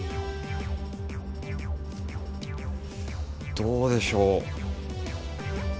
どうでしょう？